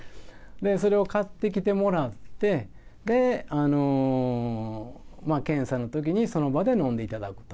それを買ってきてもらって、検査のときにその場で飲んでいただくと。